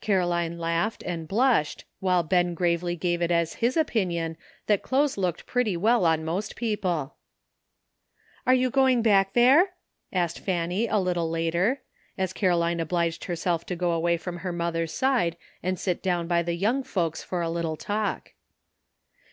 Caroline laughed and blushed, while Ben gravely gave it as his opinion that clothes looked pretty well on most people. "Are you going back there?" asked Fanny AT LAST, 871 a little later, as Caroline obliged herself to go away from her mother's side and sit down by the young folks for a little talk.